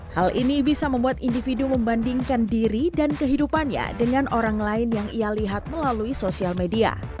hal ini bisa membuat individu membandingkan diri dan kehidupannya dengan orang lain yang ia lihat melalui sosial media